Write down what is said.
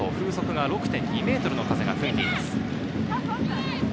６．２メートルの風が吹いています。